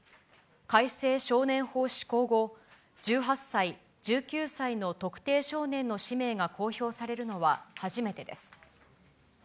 改正少年法施行後、１８歳、１９歳の特定少年の氏名が公表されるのは初めてです。